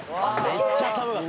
「めっちゃ寒かった」